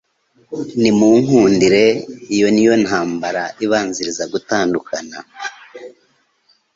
ntimunkundire!" Iyo ni yo ntambara ibanziriza gutandukana.